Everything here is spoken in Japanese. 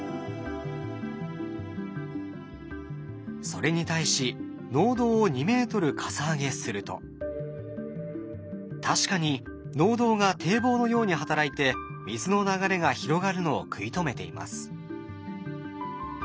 それに対し確かに農道が堤防のように働いて水の流れが広がるのを食い止めています。